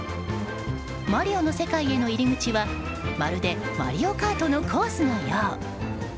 マリオの世界への入り口はまるで「マリオカート」のコースのよう。